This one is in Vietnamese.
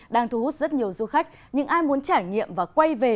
đang thu hút rất nhiều du khách những ai muốn trải nghiệm và quay về